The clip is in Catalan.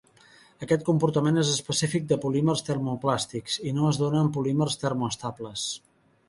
Aquest comportament és específic de polímers termoplàstics i no es dóna en polímers termoestables.